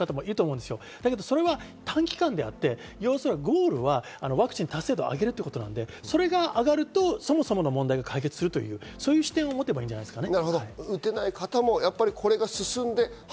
でも、それは短期間であってゴールはワクチン達成度を上げること、それが上がると、そもそもの問題が解決する、そういう視点をもてばいいんじゃないですかね。